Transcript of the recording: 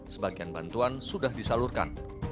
sebagian bantuan sudah disalurkan